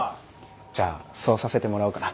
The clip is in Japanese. じゃあそうさせてもらおうかな。